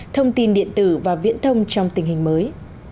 thông tin điện tử và viễn thông trong tình hình mới